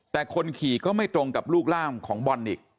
แต่คนขี่ก็ไม่ตรงกับลูกร่ามของบอลอีก